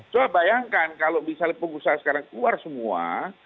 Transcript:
coba bayangkan kalau misalnya pengusaha sekarang keluar semua